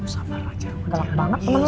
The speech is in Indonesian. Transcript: sabar aja galak banget temen lo